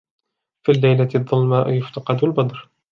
في الليلة الظلماء يفتقد البدر